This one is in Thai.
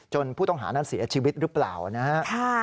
ผู้ต้องหานั้นเสียชีวิตหรือเปล่านะครับ